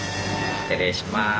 失礼します。